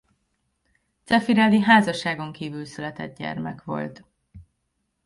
Zeffirelli házasságon kívül született gyermek volt.